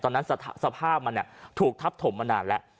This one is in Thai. ตอนนั้นสภาพมันเนี้ยถูกทับถมมานานแล้ว